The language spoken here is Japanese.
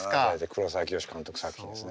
黒沢清監督作品ですね。